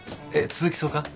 続きそうか？